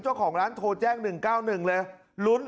เจ้าของร้านโทรแจก๑๙๑เลย